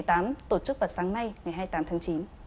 tổ chức vào sáng nay ngày hai mươi tám tháng chín